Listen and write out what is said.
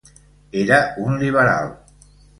Era un liberal.